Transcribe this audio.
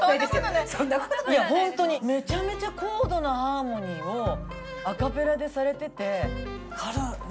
いや本当にめちゃめちゃ高度なハーモニーをアカペラでされてて。